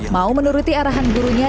mau menuruti arahan gurunya